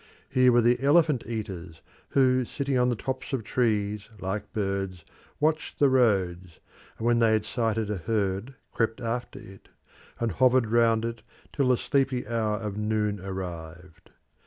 Here were the elephant eaters, who, sitting on the tops of trees like birds, watched the roads, and when they had sighted a herd crept after it, and hovered round it till the sleepy hour of noon arrived.